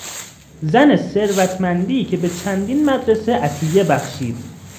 زن ثروتمندی که به چندین مدرسه عطیه بخشید.